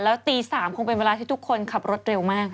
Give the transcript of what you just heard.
แล้วตี๓คงเป็นเวลาที่ทุกคนขับรถเร็วมาก